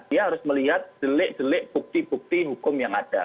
dia harus melihat delik delik bukti bukti hukum yang ada